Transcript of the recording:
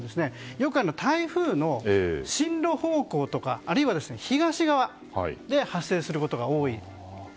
よく台風の進路方向とかあるいは東側で発生することが多いです。